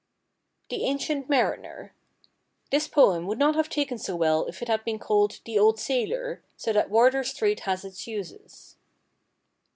"The Ancient Mariner" This poem would not have taken so well if it had been called "The Old Sailor," so that Wardour Street has its uses.